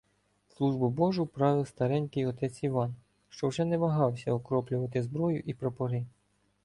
Службу Божу правив старенький отець Іван, що вже не вагався окроплювати зброю і прапори.